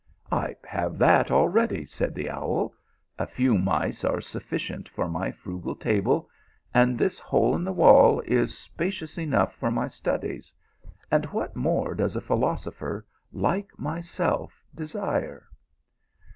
" I have that already," said the owl. " A few mice are sufficient for my frugal table, and this hole in the wall is spacious enough for my studies, and what more does a philosopher like myself desire